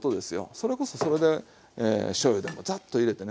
それこそそれでしょうゆでもザッと入れてね